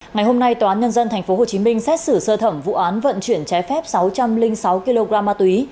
ngày hôm nay tòa án nhân dân tp hcm xét xử sơ thẩm vụ án vận chuyển trái phép sáu trăm linh sáu kg ma túy